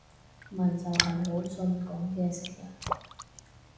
咪就係魯迅講嘅食人